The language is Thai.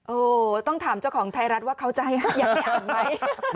โอ้ต้องถามเจ้าของไทยรัฐว่าเข้าใจอยากกินไหม